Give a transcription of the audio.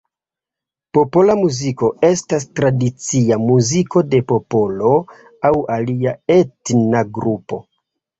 Popola muziko estas tradicia muziko de popolo aŭ alia etna grupo.